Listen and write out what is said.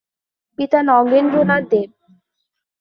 পিতা নগেন্দ্রনাথ দেব।